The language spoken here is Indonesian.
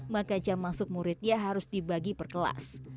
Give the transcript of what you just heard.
maka jam masuk muridnya harus dibagi per kelas